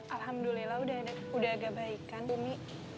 alhamdulillah udah agak baik kan bumi